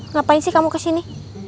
ngapain sih kamu kesini